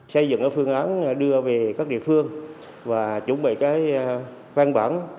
xây dựng phương án đưa về các địa phương và chuẩn bị cái văn bản